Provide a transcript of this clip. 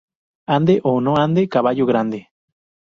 Ande o no ande, caballo grande